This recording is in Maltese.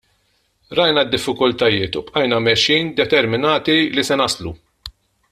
Rajna d-diffikultajiet u bqajna mexjin determinati li se naslu.